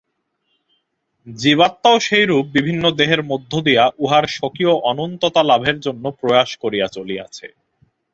জীবাত্মাও সেইরূপ বিভিন্ন দেহের মধ্য দিয়া উহার স্বকীয় অনন্ততা লাভের জন্য প্রয়াস করিয়া চলিয়াছে।